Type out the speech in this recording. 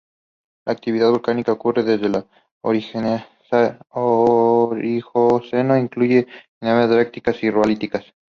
La actividad volcánica ocurre desde el Oligoceno e incluye ignimbritas dacíticas-riolíticas.